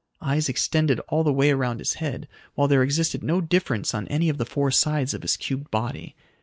Eyes extended all the way around his head, while there existed no difference on any of the four sides of his cubed body.